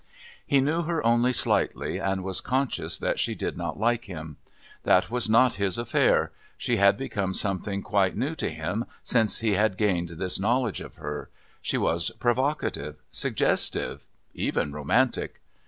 He knew her only slightly and was conscious that she did not like him. That was not his affair; she had become something quite new to him since he had gained this knowledge of her she was provocative, suggestive, even romantic.